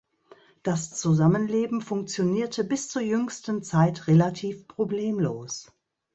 Das Zusammenleben funktionierte bis zur jüngsten Zeit relativ problemlos.